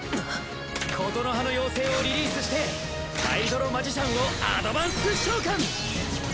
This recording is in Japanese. ことのはの妖精をリリースしてハイドロ・マジシャンをアドバンス召喚！